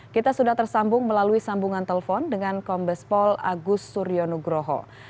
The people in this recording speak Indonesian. kita sudah tersambung melalui sambungan telpon dengan kombespol agus suryonugroho